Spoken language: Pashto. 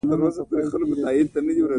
په ځمکه لیکې راکاږم او مات زړګۍ رسموم